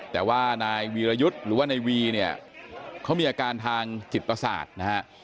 แต่ว่านายวีรยุทธ์หรือว่านายวีเนี่ยเขามีอาการทางจิตประสาทนะฮะ